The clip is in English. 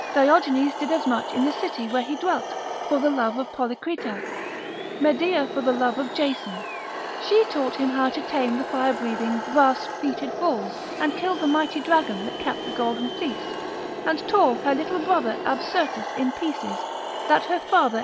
Diognetus did as much in the city where he dwelt, for the love of Policrita, Medea for the love of Jason, she taught him how to tame the fire breathing brass feeted bulls, and kill the mighty dragon that kept the golden fleece, and tore her little brother Absyrtus in pieces, that her father.